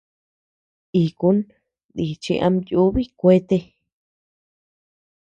Ikun nichi ama yúbi kuete.